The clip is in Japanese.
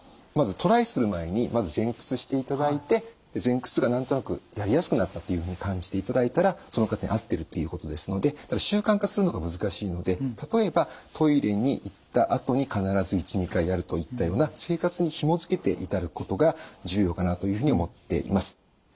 まずトライする前にまず前屈していただいて前屈が何となくやりやすくなったというふうに感じていただいたらその方に合ってるっていうことですので習慣化するのが難しいので例えばトイレに行ったあとに必ず１２回やるといったような生活にひも付けていただくことが重要かなというふうに思っています。